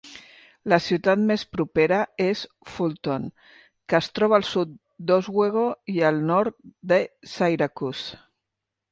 La ciutat més propera és Fulton, que es troba al sud d'Oswego i al nord de Syracuse.